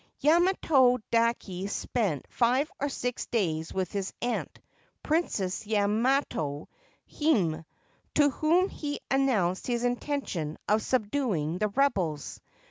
Yamato dake spent five or six days with his aunt, Princess Yamato Hime, to whom he announced his intention of subduing the rebels.